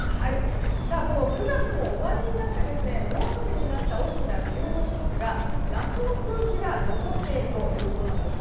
この９月も終わりになって猛暑日になった大きな理由の１つが夏の空気が残っているということなんです。